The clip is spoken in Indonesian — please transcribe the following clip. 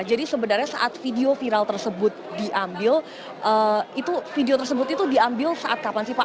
jadi sebenarnya saat video viral tersebut diambil video tersebut itu diambil saat kapan sih pak